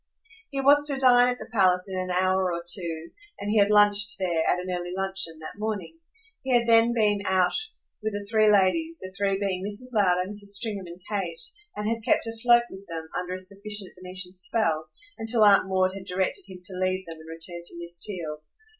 He was to dine at the palace in an hour or two, and he had lunched there, at an early luncheon, that morning. He had then been out with the three ladies, the three being Mrs. Lowder, Mrs. Stringham and Kate, and had kept afloat with them, under a sufficient Venetian spell, until Aunt Maud had directed him to leave them and return to Miss Theale.